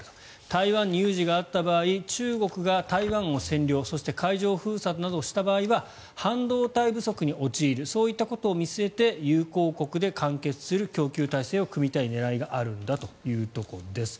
台湾に有事があった場合中国が台湾を占領そして海上封鎖などをした場合は半導体不足に陥るそういったことを見据えて友好国で完結する供給体制を組みたい狙いがあるんだというところです。